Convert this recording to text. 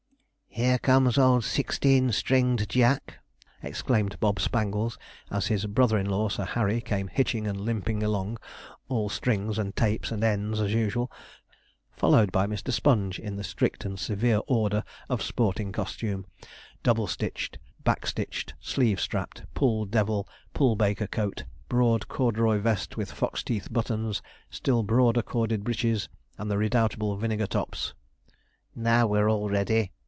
"Here comes old sixteen string'd Jack!" exclaimed Bob Spangles, as his brother in law, Sir Harry, came hitching and limping along, all strings, and tapes, and ends, as usual, followed by Mr. Sponge in the strict and severe order of sporting costume; double stitched, back stitched, sleeve strapped, pull devil, pull baker coat, broad corduroy vest with fox teeth buttons, still broader corded breeches, and the redoubtable vinegar tops. "Now we're all ready!"